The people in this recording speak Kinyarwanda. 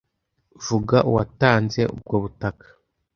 Vuga uwatanze ubwo butaka